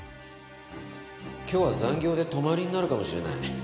今日は残業で泊まりになるかもしれない。